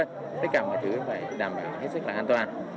tất cả mọi thứ phải đảm bảo hết sức là an toàn